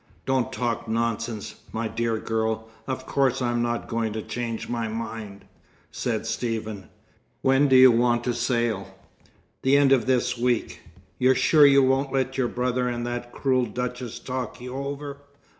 "Don't talk nonsense, my dear girl. Of course I'm not going to change my mind," said Stephen. "When do you want to sail?" "The end of this week. You're sure you won't let your brother and that cruel Duchess talk you over?